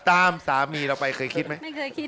ตามสามีเราไปคนเคยคิดไหม